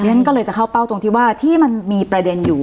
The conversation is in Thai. ฉันก็เลยจะเข้าเป้าตรงที่ว่าที่มันมีประเด็นอยู่